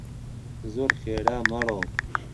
زۆر خێرا مەڕۆ!